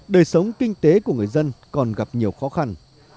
đời sống kinh tế của người dân còn gặp nhiều khó khăn